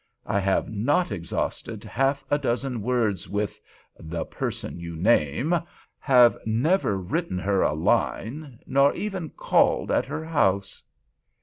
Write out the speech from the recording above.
I have not exhausted half a dozen words with—the person you name—have never written her a line—nor even called at her house."